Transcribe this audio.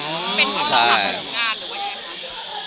เป็นเขาหักห่วงงานหรือแท้หัก